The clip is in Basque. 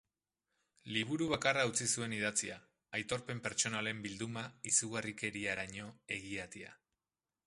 Liburu bakarra utzi zuen idatzia, aitorpen pertsonalen bilduma izugarrikeriaraino egiatia.